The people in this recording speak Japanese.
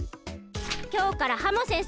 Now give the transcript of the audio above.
きょうからハモ先生